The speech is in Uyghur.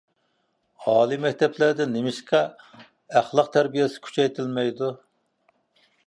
ئالىي مەكتەپلەردە نېمىشقا ئەخلاق تەربىيەسى كۈچەيتىلمەيدۇ؟